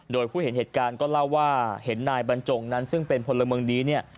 โดยผู้เห็นเหตุการณ์ก็เล่าว่าเห็นนายบรรจงนั้นซึ่งเป็นพลเมืองดีเนี่ย